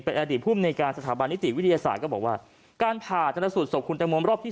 เป็นอดีตภูมิในการสถาบันนิติวิทยาศาสตร์ก็บอกว่าการผ่าชนสูตรศพคุณตังโมรอบที่๓